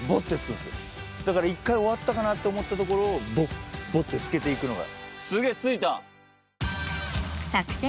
だから一回終わったかなって思ったところをボッボッてつけていくのが。